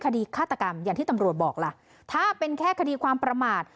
คดีฆาตกรรมอย่างที่ตำรวจบอกล่ะถ้าเป็นแค่คดีความประมาท